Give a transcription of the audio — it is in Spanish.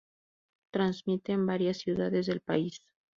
Transmite en varias ciudades del país.